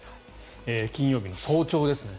金曜日の早朝ですね